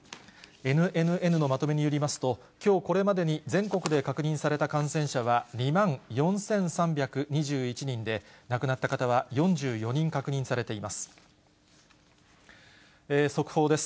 ＮＮＮのまとめによりますと、きょうこれまでに全国で確認された感染者は、２万４３２１人で、亡くなった方は４４人確認されています。